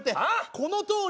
このとおり。